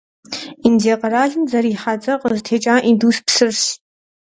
Индие къэралым зэрихьэ цӀэр къызытекӀар Индус псырщ.